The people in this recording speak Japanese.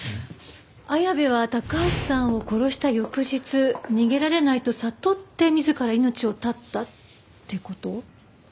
綾部は高橋さんを殺した翌日逃げられないと悟って自ら命を絶ったって事？